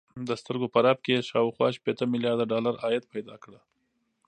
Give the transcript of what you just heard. د سترګو په رپ کې يې شاوخوا شپېته ميليارده ډالر عايد پيدا کړ.